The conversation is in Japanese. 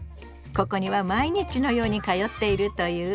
ここには毎日のように通っているという。